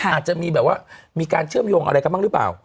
อาจจะมีแบบว่ามีการเชื่อมโยงอะไรกันบ้างหรือเปล่า